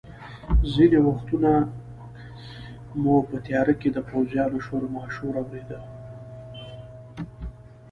ځینې وختونه مو په تیاره کې د پوځیانو شورماشور اورېده.